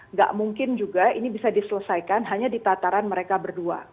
nggak mungkin juga ini bisa diselesaikan hanya di tataran mereka berdua